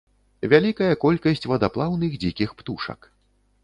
Вялікая колькасць вадаплаўных дзікіх птушак.